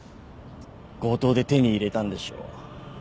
強盗で手に入れたんでしょう。